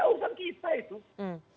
itu urusan kita itu